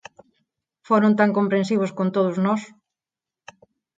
Foron tan comprensivos con todos nós.